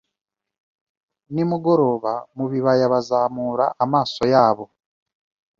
nimugoroba mubibaya Bazamura amaso yabo